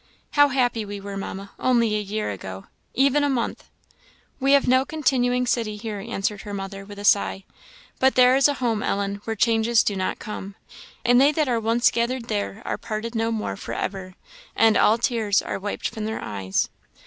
"How happy we were, Mamma, only a year ago even a month." "We have no continuing city here," answered her mother, with a sigh. "But there is a home, Ellen, where changes do not come; and they that are once gathered there are parted no more for ever; and all tears are wiped from their eyes.